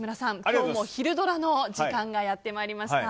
今日もひるドラ！の時間がやってまいりました。